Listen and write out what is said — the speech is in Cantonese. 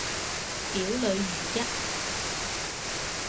表裏如一